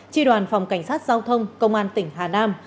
tri đoàn phòng cảnh sát giao thông công an tỉnh hà nam